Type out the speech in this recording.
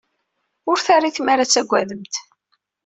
Ur terri tmara ad tagademt.